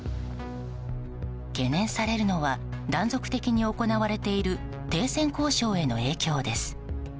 懸念されるのは断続的に行われている停戦交渉への影響です。